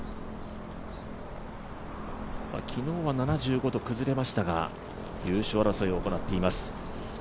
昨日は７５と崩れましたが優勝争いを行っています。